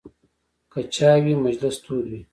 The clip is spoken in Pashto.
که چای وي، مجلس تود وي.